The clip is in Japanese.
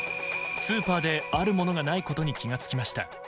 スーパーであるものがないことに気がつきました。